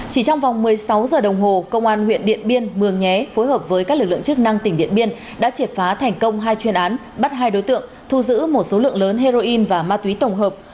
chỉ trong vòng một mươi sáu giờ đồng hồ công an huyện điện biên mường nhé phối hợp với các lực lượng chức năng tỉnh điện biên đã triệt phá thành công hai chuyên án bắt hai đối tượng thu giữ một số lượng lớn heroin và ma túy tổng hợp